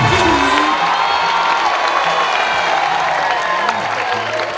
ร้อง